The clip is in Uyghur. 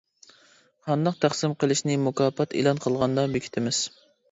قانداق تەقسىم قىلىشنى مۇكاپات ئېلان قىلغاندا بېكىتىمىز.